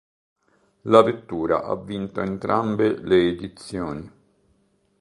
La vettura ha vinto entrambe le edizioni.